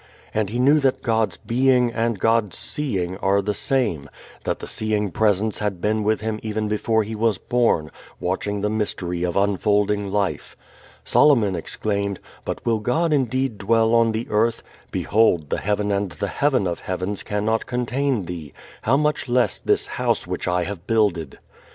And he knew that God's being and God's seeing are the same, that the seeing Presence had been with him even before he was born, watching the mystery of unfolding life. Solomon exclaimed, "But will God indeed dwell on the earth? behold the heaven and the heaven of heavens cannot contain thee: how much less this house which I have builded."